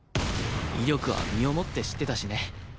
威力は身をもって知ってたしね。